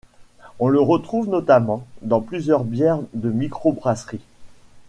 On le retrouve notamment dans plusieurs bières de microbrasserie.